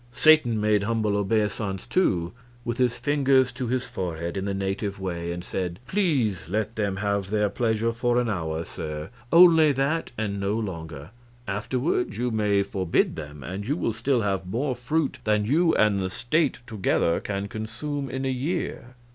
Satan made humble obeisance, too, with his fingers to his forehead, in the native way, and said: "Please let them have their pleasure for an hour, sir only that, and no longer. Afterward you may forbid them; and you will still have more fruit than you and the state together can consume in a year."